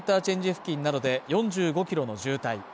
付近などで４５キロの渋滞。